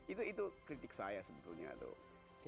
itu kritik saya sebetulnya tuh